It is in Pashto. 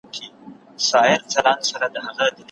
هم په سپیو کي د کلي وو غښتلی